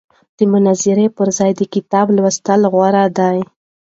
د مناظرې پر ځای د کتاب لوستل غوره دي.